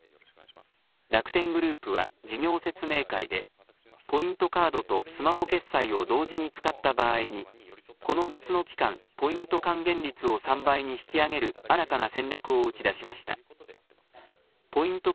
楽天グループは事業説明会で、ポイントカードとスマホ決済を同時に使った場合に、この夏の期間、ポイント還元率を３倍に引き上げる新たな戦略を打ち出しました。